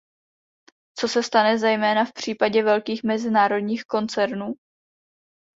Co se stane zejména v případě velkých mezinárodních koncernů?